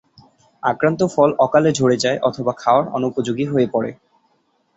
আক্রান্ত ফল অকালে ঝরে যায় অথবা খাওয়ার অনুপযোগী হয়ে পড়ে।